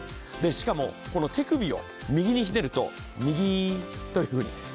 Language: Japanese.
でしかもこの手首を右にひねると右というふうに。